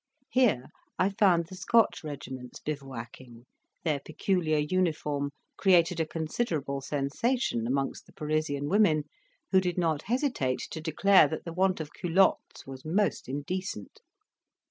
Here I found the Scotch regiments bivouacking; their peculiar uniform created a considerable sensation amongst the Parisian women, who did not hesitate to declare that the want of culottes was most indecent.